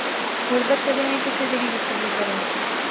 غربت کدے میں کس سے تری گفتگو کریں